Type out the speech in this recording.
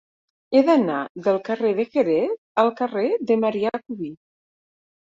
He d'anar del carrer de Jerez al carrer de Marià Cubí.